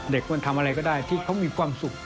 ควรทำอะไรก็ได้ที่เขามีความสุข